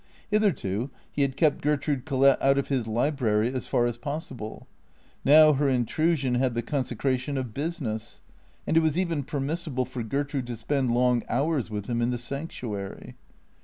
Hitherto he had kept Gertrude Collett out of his library as far as possible. Now her intrusion had the conse cration of business, and it was even permissible for Gertrude to spend long hours with him in the sanctuary.